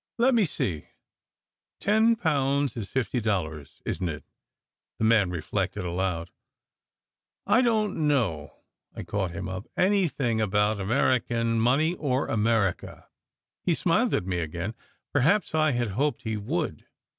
"Let me see! Ten pounds is fifty dollars, isn t it?" the man reflected out aloud. 16 SECRET HISTORY "I don t know," I caught him up, "anything about American money or America." He smiled at me again. Perhaps I had hoped he would.